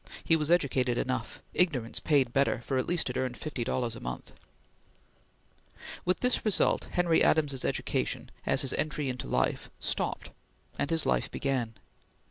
He was educated enough. Ignorance paid better, for at least it earned fifty dollars a month. With this result Henry Adams's education, at his entry into life, stopped, and his life began.